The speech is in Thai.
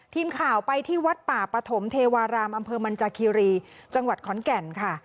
ทีมข่าวไปที่วัดป่าปฐมเทวารามอำเภอมันจากคีรีจังหวัดขอนแก่นค่ะ